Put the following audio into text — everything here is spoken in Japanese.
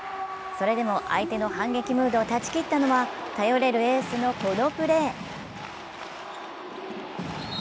それでも相手の反撃ムードを断ち切ったのは頼れるエースのこのプレー。